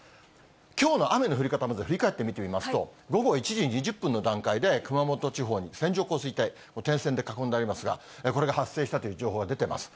きょうの雨の降り方、まず振り返って見てみますと、午後１時２０分の段階で、熊本地方に線状降水帯、点線で囲んでありますが、これが発生したという情報が出てます。